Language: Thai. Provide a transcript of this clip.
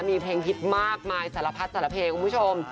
มีเพลงฮิตมากมายสารพัดสารเพลงคุณผู้ชม